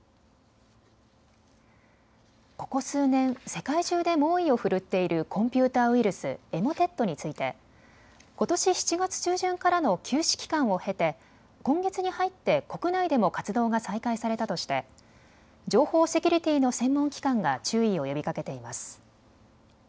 ここ数年、世界中で猛威を振るっているコンピューターウイルス、エモテットについてことし７月中旬からの休止期間を経て今月に入って国内でも活動が再開されたとして情報セキュリティーの専門機関が注意を呼びかけています。